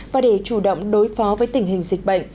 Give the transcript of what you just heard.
và để chủ động đối phó với tình hình dịch bệnh